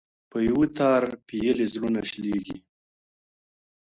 په يوه تار پېيلي زړونه شلېږي~